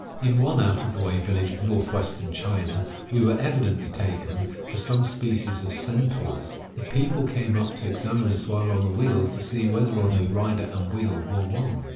In one out of the way village of northwestern China, we were evidently taken for some species of centaurs; the people came up to examine us while on the wheel to see whether or no rider and wheel were one.